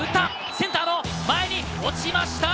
センターの前に落ちました！